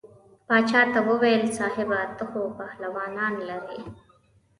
باچا ته وویل صاحبه ته خو پهلوانان لرې.